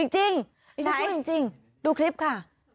จริงดูคลิปค่ะ